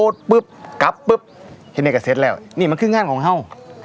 ซึ่งเน่ก็เสร็จแล้วนี่มันสิ่งงานของเขา